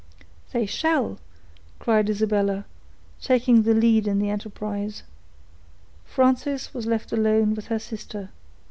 "They shall," cried Isabella, taking the lead in the enterprise. Frances was left alone with her sister.